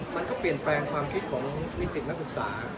มันก็เปลี่ยนแปลงความคิดของนิสิตนักศึกษา